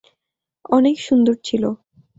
অনেক সুন্দর ছিলো।